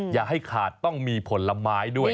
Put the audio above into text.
อย่าให้ขาดต้องมีผลไม้ด้วย